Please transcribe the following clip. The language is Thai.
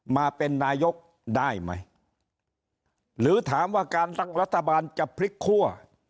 มาเป็นนายกได้ไหมหรือถามว่าการตั้งรัฐบาลจะพลิกคั่ว